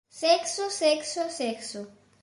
Sexo, sexo, sexo.